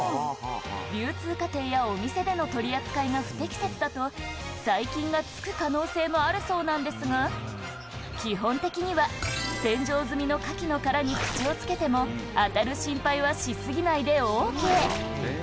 流通過程やお店での取り扱いが不適切だと、細菌がつく可能性もあるそうなんですが、基本的には洗浄済みのカキの殻に口をつけても、あたる心配はし過ぎないでＯＫ。